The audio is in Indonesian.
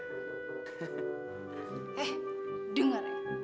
eh denger ya